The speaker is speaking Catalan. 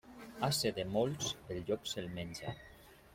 Ase de molts el llop se'l menja.